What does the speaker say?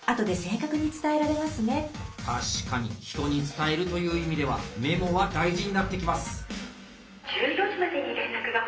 確かに人に伝えるという意味ではメモは大事になってきます。